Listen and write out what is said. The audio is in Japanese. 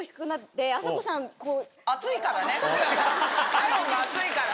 体温が熱いから。